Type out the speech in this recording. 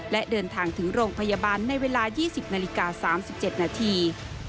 และเดินทางถึงโรงพยาบาลในเวลา๒๐นาฬิกา๓๗นาที